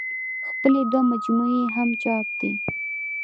خپلې دوه مجموعې يې هم چاپ دي